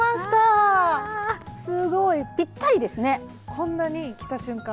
こんなに着た瞬間